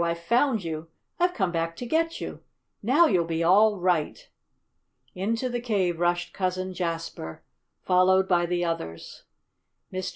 I've found you! I've come back to get you! Now you'll be all right!" Into the cave rushed Cousin Jasper, followed by the others. Mr.